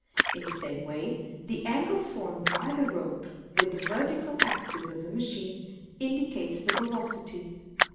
In the same way, the angle formed by the rope with the vertical axis of the machine, indicates the velocity.